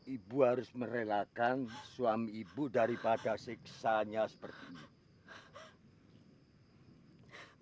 ibu harus merelakan suami ibu daripada siksanya seperti ini